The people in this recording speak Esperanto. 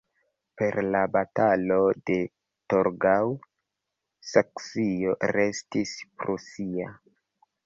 Per la Batalo de Torgau Saksio restis prusia.